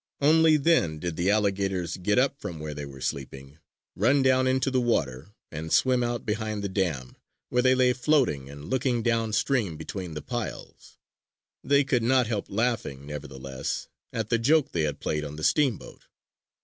Only then did the alligators get up from where they were sleeping, run down into the water, and swim out behind the dam, where they lay floating and looking downstream between the piles. They could not help laughing, nevertheless, at the joke they had played on the steamboat!